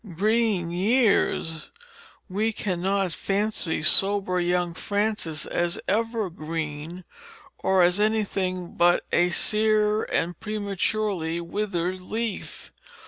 Green years! we cannot fancy sober young Francis as ever green or as anything but a sere and prematurely withered leaf.